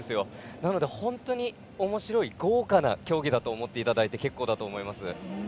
なので、本当におもしろい豪華な競技だと思っていただいて結構だと思います。